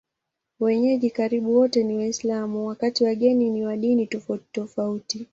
Wenyeji karibu wote ni Waislamu, wakati wageni ni wa dini tofautitofauti.